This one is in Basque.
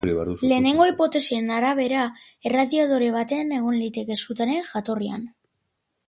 Lehenengo hipotesien arabera, erradiadore baten egon liteke sutearen jatorrian.